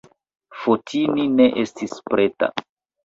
Fotini ne estis preta.